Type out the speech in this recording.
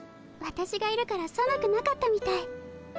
わたしがいるからさむくなかったみたい。